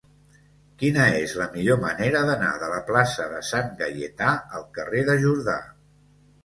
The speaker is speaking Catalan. Quina és la millor manera d'anar de la plaça de Sant Gaietà al carrer de Jordà?